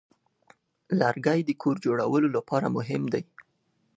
لرګی د کور جوړولو لپاره مهم دی.